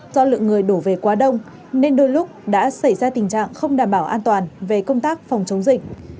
do lượng người đổ về quá đông nên đôi lúc đã xảy ra tình trạng không đảm bảo an toàn về công tác phòng chống dịch